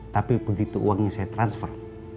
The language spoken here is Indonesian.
tapi begitu uangnya saya transfer